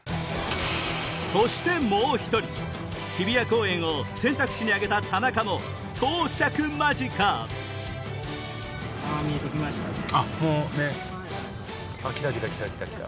そしてもう１人日比谷公園を選択肢に挙げた田中も到着間近あっもうね。来た来た来た来た。